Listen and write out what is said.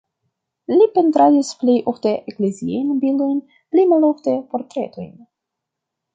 Li pentradis plej ofte ekleziajn bildojn, pli malofte portretojn.